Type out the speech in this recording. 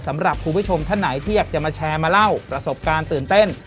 สำหรับคุณผู้ชมท่านไหนที่อยากจะมาแชร์มาเล่าประสบการณ์ตื่นเต้น